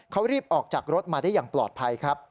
เขารีบออกจากรถมาได้อย่างปลอดภัยครับ